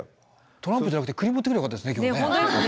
トランプじゃなくて栗持ってくればよかったですね今日ね。